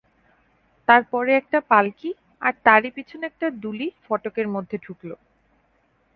তার পরে একটা পাল্কি আর তারই পিছনে একটা ডুলি ফটকের মধ্যে ঢুকল।